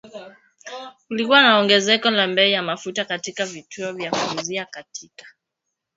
Kulikuwa na ongezeko la bei ya mafuta katika vituo vya kuuzia katika